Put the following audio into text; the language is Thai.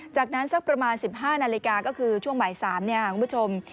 จากนั้นสักประมาณ๑๕นาฬิกาก็คือช่วงบ่าย๓คุณผู้ชม